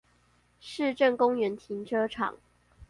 市政公園停車場